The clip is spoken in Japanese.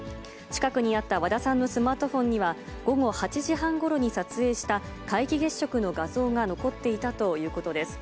近くにあった和田さんのスマートフォンには、午後８時半ごろに撮影した皆既月食の画像が残っていたということです。